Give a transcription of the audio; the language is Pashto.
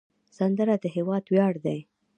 سندره د هیواد ویاړ دی